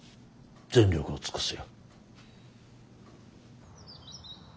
全力を尽くすよ。